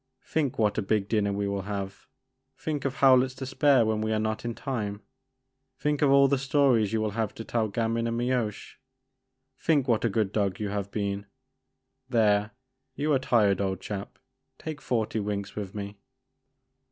Think what a big dinner we will have !' Think of Ho w lett's despair when we are not in time ! Think of all the stories you will have to tell to Gamin and Mioche ! Think what a good dog you have been ! There — ^you are tired old chap ; take forty winks with me."